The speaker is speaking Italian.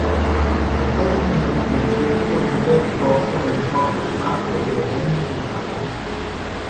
Al termine del conflitto l'intera conca entrò a far parte del Regno d'Italia.